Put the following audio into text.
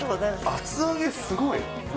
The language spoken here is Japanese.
厚揚げすごい。